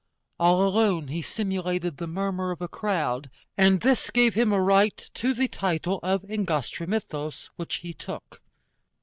All alone he simulated the murmur of a crowd, and this gave him a right to the title of Engastrimythos, which he took.